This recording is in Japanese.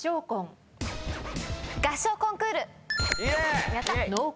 合唱コンクール。